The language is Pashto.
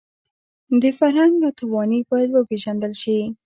د فرهنګ ناتواني باید وپېژندل شي